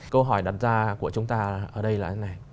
câu hỏi đặt ra của chúng ta ở đây là thế này